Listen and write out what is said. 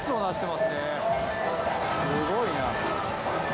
すごいな。